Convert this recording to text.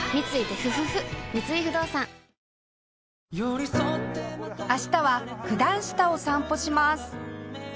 三井不動産明日は九段下を散歩します